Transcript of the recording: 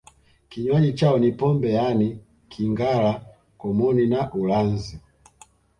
Kinywaji chao ni pombe yaani kangala komoni na ulanzi